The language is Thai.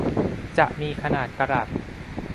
จะมีขนาดกะรัต